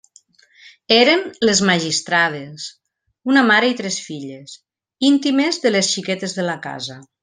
Eren «les magistrades», una mare i tres filles, íntimes de les xiquetes de la casa.